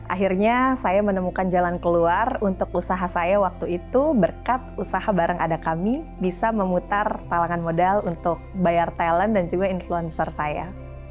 akhirnya saya menemukan jalan keluar untuk usaha saya waktu itu berkat usaha bareng ada kami bisa memutar talangan modal untuk bayar talent dan juga influencer saya